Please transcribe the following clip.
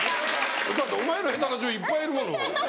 だってお前より下手な女優いっぱいいるもの。